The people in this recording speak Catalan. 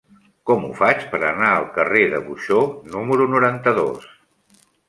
Com ho faig per anar al carrer de Buxó número noranta-dos?